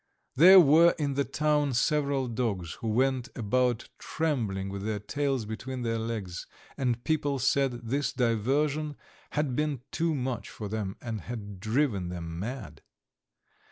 There were in the town several dogs who went about trembling with their tails between their legs; and people said this diversion had been too much for them, and had driven them mad.